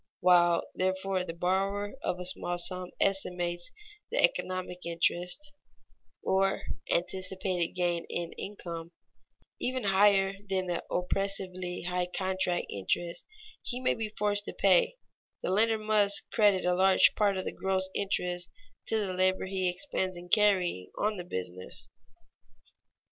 While, therefore, the borrower of a small sum estimates the economic interest (or anticipated gain in income) even higher than the oppressively high contract interest he may be forced to pay, the lender must credit a large part of the gross interest to the labor he expends in carrying on the business.